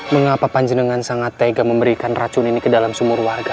mengapa panjenengan sangat tega memberikan racun ini ke dalam sumur warga